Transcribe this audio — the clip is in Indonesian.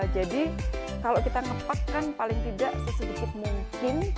jadi kalau kita ngepakkan paling tidak sesedikit mungkin